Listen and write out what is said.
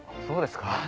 そうですか？